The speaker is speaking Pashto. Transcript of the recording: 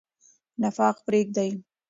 نفاق پریږدئ.